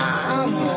もう。